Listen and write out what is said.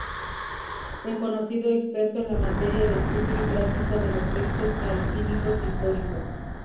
Reconocido experto en la materia de estudio y práctica de los textos alquímicos históricos.